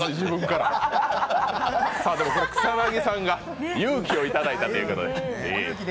草薙さんが勇気をいただいたということで。